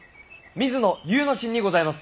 水野祐之進にございます！